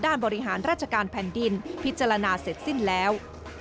บริหารราชการแผ่นดินพิจารณาเสร็จสิ้นแล้ว